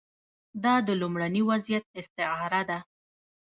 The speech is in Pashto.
دا د لومړني وضعیت استعاره ده.